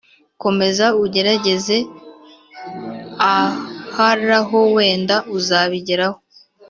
komeze ugerageze aharaho wenda uzabigeraho